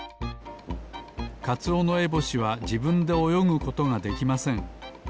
カツオノエボシはじぶんでおよぐことができません。